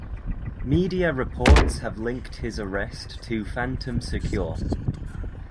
Media reports have linked his arrest to Phantom Secure.